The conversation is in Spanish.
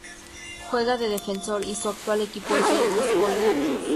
Juega de defensor y su actual equipo es el Ascoli.